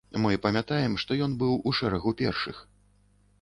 Мы памятаем, што ён быў у шэрагу першых.